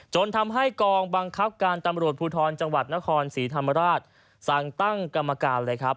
จนทำให้กองบังคับการตำรวจภูทรจังหวัดนครศรีธรรมราชสั่งตั้งกรรมการเลยครับ